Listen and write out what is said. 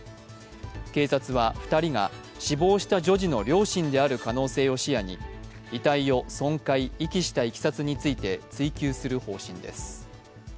警察は２人が死亡した女児の両親である可能性を視野に遺体を損壊・遺棄したいきさつについて追及する方針です。